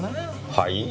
はい？